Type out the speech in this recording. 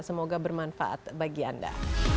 semoga bermanfaat bagi anda